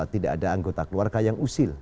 tidak ada anggota keluarga yang usil